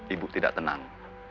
ibu tidak tenang